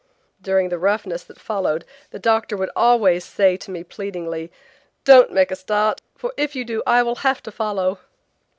During the roughness that followed the doctor would always say to me pleadingly: "Don't make a start, for if you do I will have to follow."